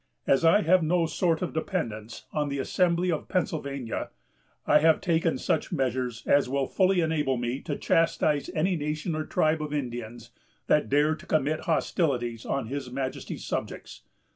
As I have no sort of dependence on the Assembly of Pennsylvania, I have taken such measures as will fully enable me to chastise any nation or tribe of Indians that dare to commit hostilities on his Majesty's subjects.